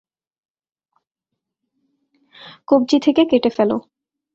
কব্জি থেকে কেটে ফেলো।